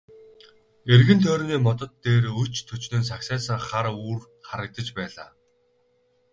Эргэн тойрны модод дээр өч төчнөөн сагсайсан хар үүр харагдаж байлаа.